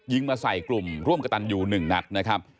ยิงมาใส่กลุ่มร่วมกระตันอยู่หนึ่งนัดนะครับ